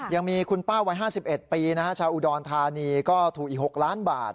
ยังมีคุณป้าไว้ห้าสิบเอ็ดปีนะฮะชาวอุดรธานีก็ถูกอีกหกล้านบาท